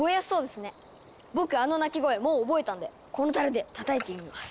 僕あの鳴き声もう覚えたんでこのたるでたたいてみます。